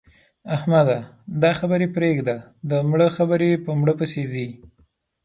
احمده! دا خبرې پرېږده؛ د مړه خبرې په مړه پسې ځي.